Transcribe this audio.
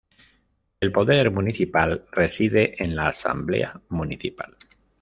El poder municipal reside en la asamblea municipal.